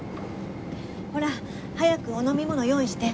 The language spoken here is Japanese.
ほら早くお飲み物用意して。